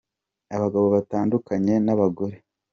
Abagabo batandukanye n'abagore.